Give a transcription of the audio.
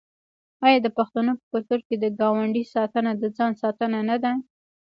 آیا د پښتنو په کلتور کې د ګاونډي ساتنه د ځان ساتنه نه ده؟